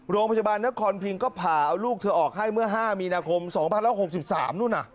โรงพยาบาลนครพิงก็ผ่าเอาลูกเธอออกให้เมื่อ๕มีนาคม๒๐๖๓นู่นน่ะ